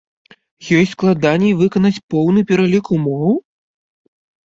Ёй складаней выканаць поўны пералік умоў?